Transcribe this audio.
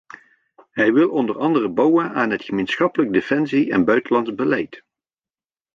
Hij wil onder andere bouwen aan het gemeenschappelijk defensie- en buitenlands beleid.